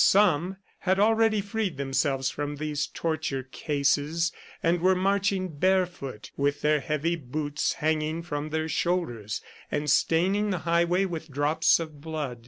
Some had already freed themselves from these torture cases and were marching barefoot, with their heavy boots hanging from their shoulders, and staining the highway with drops of blood.